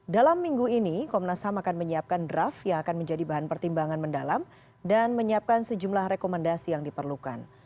dalam minggu ini komnas ham akan menyiapkan draft yang akan menjadi bahan pertimbangan mendalam dan menyiapkan sejumlah rekomendasi yang diperlukan